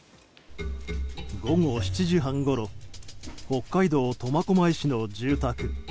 午後７時半ごろ北海道苫小牧市の住宅。